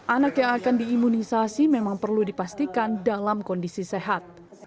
anak yang akan diimunisasi memang perlu dipastikan dalam kondisi sehat